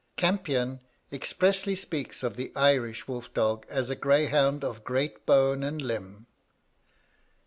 Campion expressly speaks of the Irish wolf dog as a 'greyhound of great bone and limb.'